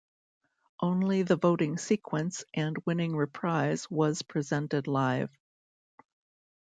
Only the voting sequence and winning reprise was presented live.